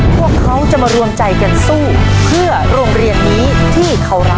พวกเขาจะมารวมใจกันสู้เพื่อโรงเรียนนี้ที่เขารัก